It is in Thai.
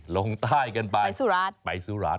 ลงใต้กันไปไปสุราธ